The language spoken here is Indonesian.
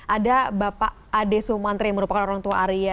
ada bapak adeso mantri yang merupakan orang tua arya